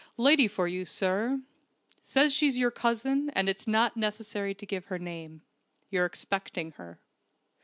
"Lady for you, sir. Says she's your cousin, and it's not necessary to give her name. You're expecting her."